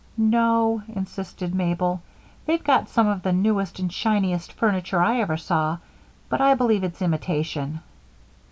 "No," insisted Mabel. "They've got some of the newest and shiningest furniture I ever saw, but I b'lieve it's imitation."